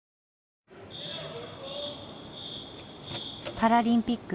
パラリンピック